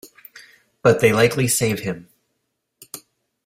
But they likely save him.